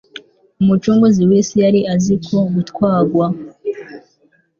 Umucunguzi w’isi yari azi ko gutwarwa